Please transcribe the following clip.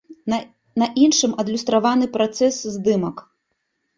На іншым адлюстраваны працэс здымак.